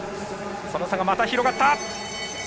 その差がまた広がった！